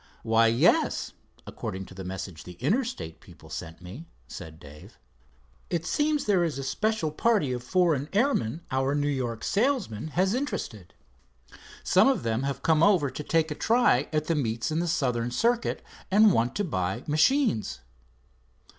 "Why, yes, according to the message the Interstate people sent me," said Dave. "It seems there is a special party of foreign airmen our New York salesman has interested. Some of them have come over to take a try at the meets in the Southern circuit, and want to buy machines."